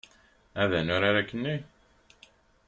Ad nurar akkenni?